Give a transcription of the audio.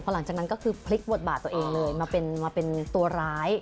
หลังจากนั้นก็คือพลิกบทบาทตัวเองเลยมาเป็นตัวร้าย